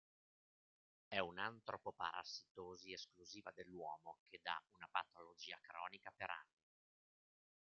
È un'antropoparassitosi esclusiva dell'uomo che dà una patologia cronica per anni.